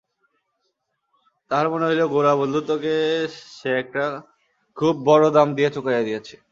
তাহার মনে হইল গোরার বন্ধুত্বকে সে একটা খুব বড়ো দাম দিয়া চুকাইয়া দিয়াছে।